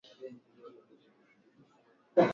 Na kumgusa hisia kwa pigo kuu.